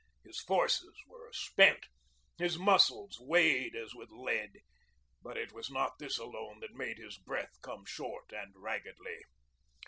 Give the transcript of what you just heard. His forces were spent, his muscles weighted as with lead. But it was not this alone that made his breath come short and raggedly.